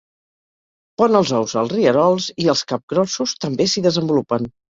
Pon els ous als rierols i els capgrossos també s'hi desenvolupen.